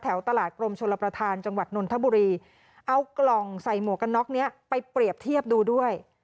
ตลาดกรมชลประธานจังหวัดนนทบุรีเอากล่องใส่หมวกกันน็อกนี้ไปเปรียบเทียบดูด้วย